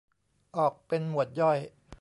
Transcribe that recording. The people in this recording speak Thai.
ออกเป็นหมวดย่อย